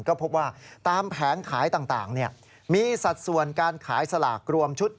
ก็พบว่าตามแผงขายต่างมีสัดส่วนการขายสลากรวมชุด